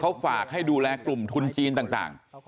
เขาฝากให้ดูแลกลุ่มทุนจีนต่าง